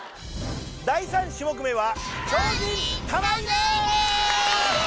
第３種目めは。